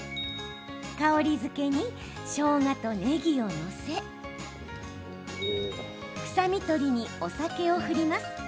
香りづけにしょうがとねぎを載せ臭み取りに、お酒を振ります。